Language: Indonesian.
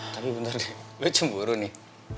tapi bentar deh lo cemburu nih